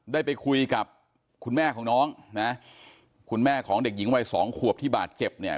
ได้ไปคุยกับคุณแม่ของน้องนะคุณแม่ของเด็กหญิงวัยสองขวบที่บาดเจ็บเนี่ย